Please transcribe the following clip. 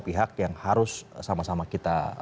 pihak yang harus sama sama kita